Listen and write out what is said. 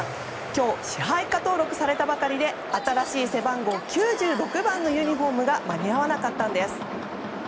今日、支配下登録されたばかりで新しい背番号９６番のユニホームが間に合わなかったんです。